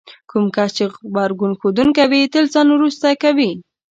کوم کس چې غبرګون ښودونکی وي تل ځان وروسته کوي.